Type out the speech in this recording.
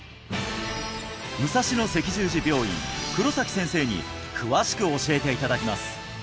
武蔵野赤十字病院黒崎先生に詳しく教えていただきます